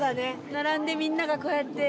並んでみんながこうやって。